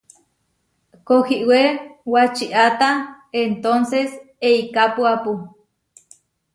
Kohiwé wačiáta entónses eikapuápu.